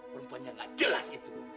perempuannya nggak jelas itu